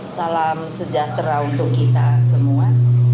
salam sejahtera untuk kita semua